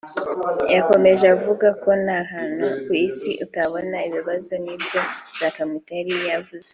yakomeje avuga ko nta hantu ku isi utabona ibibazo nk’ibyo Nzakamwita yari yavuze